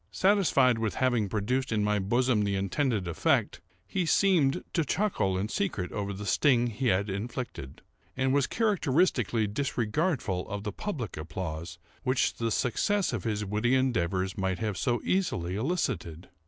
Satisfied with having produced in my bosom the intended effect, he seemed to chuckle in secret over the sting he had inflicted, and was characteristically disregardful of the public applause which the success of his witty endeavours might have so easily elicited.